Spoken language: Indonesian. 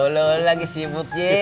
lo lagi sibuk ya